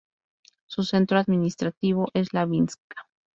Su centro administrativo es Labinsk.